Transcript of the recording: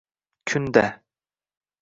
Kunda…